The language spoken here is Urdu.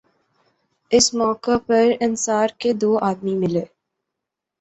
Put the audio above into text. اس موقع پر انصار کے دو آدمی ملے